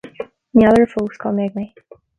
ní fheadar fós cá mbeidh mé